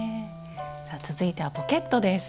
さあ続いてはポケットです。